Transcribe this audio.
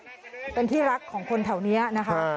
ชาวบ้านก็รักเป็นที่รักของคนแถวนี้นะคะ